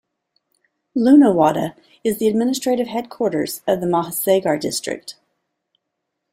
Lunawada is the administrative headquarters of the Mahisagar district.